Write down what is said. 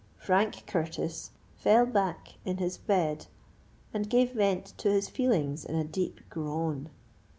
Frank Curtis fell back in his bed, and gave vent to his feelings in a deep groan.